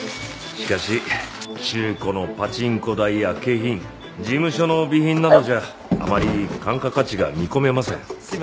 しかし中古のパチンコ台や景品事務所の備品などじゃあまり換価価値が見込めません。